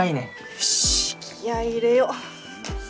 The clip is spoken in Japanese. よし気合入れよう。